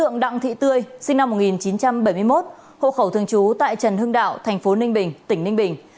năm một nghìn chín trăm bảy mươi một hộ khẩu thường trú tại trần hưng đạo thành phố ninh bình tỉnh ninh bình